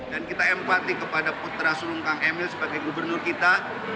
dan kita empati kepada putra surungkang emil sebagai gubernur kita